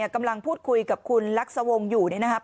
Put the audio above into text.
กำลังพูดคุยกับคุณลักษวงศ์อยู่นะครับ